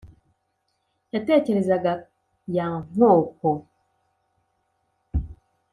yatekerezaga ya nkoko.